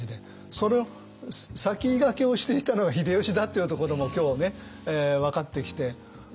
それを先駆けをしていたのが秀吉だというところも今日分かってきて。